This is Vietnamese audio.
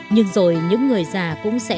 nhưng rồi những người già cũng sẽ ra đi